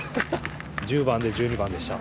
１０番で１２番でした。